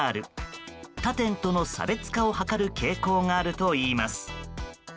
他店との差別化を図る傾向があるといいます。